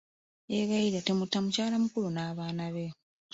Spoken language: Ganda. Yeegayirira, temutta mukyala mukulu n'abaana be.